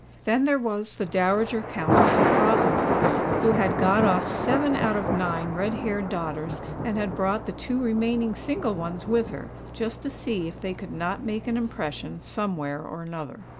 Then there was the Dowager Countess of Brazenphace, who had "got off" seven out of nine red haired daughters, and had brought the two remaining single ones with her just to see if they could not make an impression somewhere or another.